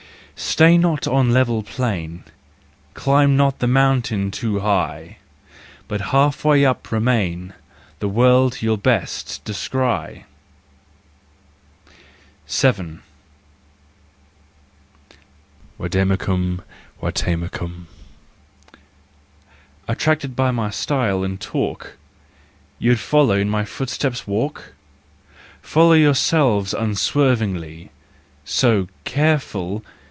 Stay not on level plain, Climb not the mount too high, But half way up remain— The world you'll best descry! 7 Vademecum — Vadetecum. Attracted by my style and talk You'd follow, in my footsteps walk ? Follow yourself unswervingly, So—careful!